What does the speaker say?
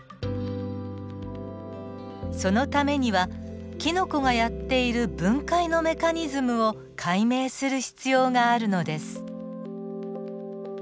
そのためにはキノコがやっている分解のメカニズムを解明する必要があるのです。